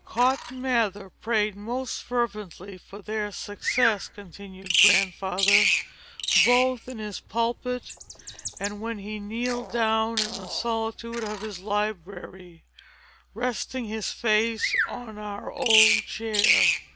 "Cotton Mather prayed most fervently for their success," continued Grandfather, "both in his pulpit, and when he kneeled down in the solitude of his library, resting his face on our old chair.